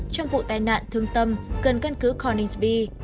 trong vụ tai nạn thương tâm gần căn cứ korningsb